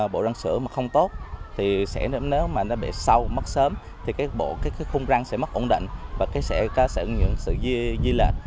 bộ răng sữa không tốt nếu bị sâu mất sớm thì khung răng sẽ mất ổn định và sẽ có sự di lệnh